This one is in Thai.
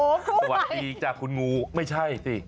สวัสดีจ้ะคุณงูไม่ใช่สิ